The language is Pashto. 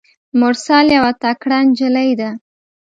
مرسل یوه تکړه نجلۍ ده.